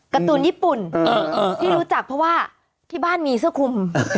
การ์ตูนญี่ปุ่นที่รู้จักเพราะว่าที่บ้านมีเสื้อคุม